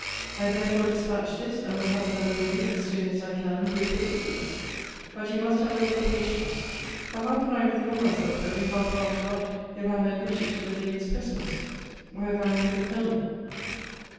I therefore dispatch this, and will have another ready, as soon as I can, with particulars. But you must have a little patience; for how can I withdraw myself every half hour to write, if I am admitted to the lady's presence, or if I am with the Colonel?